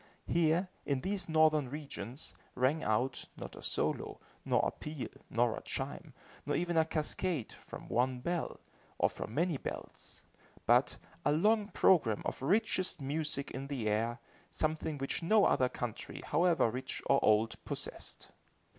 Here, in these northern regions, rang out, not a solo, nor a peal, nor a chime, nor even a cascade, from one bell, or from many bells; but, a long programme of richest music in the air something which no other country, however rich or old, possessed.